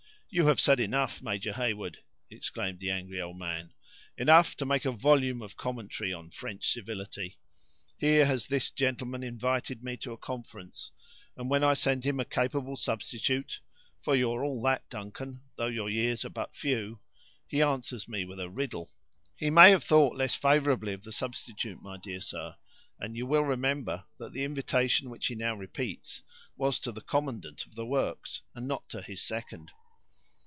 "You have said enough, Major Heyward," exclaimed the angry old man; "enough to make a volume of commentary on French civility. Here has this gentleman invited me to a conference, and when I send him a capable substitute, for ye're all that, Duncan, though your years are but few, he answers me with a riddle." "He may have thought less favorably of the substitute, my dear sir; and you will remember that the invitation, which he now repeats, was to the commandant of the works, and not to his second."